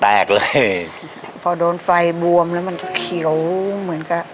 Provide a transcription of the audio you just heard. แตกเลยพอโดนไฟบวมแล้วมันก็เขียวเหมือนกับ